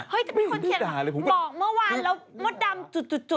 เฮ้ยแต่มีคนเขียนบอกเมื่อวานแล้วมดดำจุด